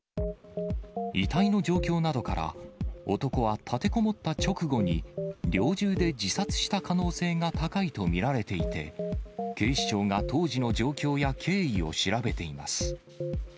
遺体の状況などから、男は立てこもった直後に猟銃で自殺した可能性が高いと見られていて、警視庁が当時の状況や経緯を調べています。